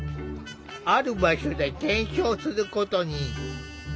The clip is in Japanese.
ある場所で検証することに。